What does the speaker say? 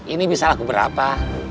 ini bisa laku berapa